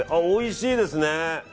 おいしいですね。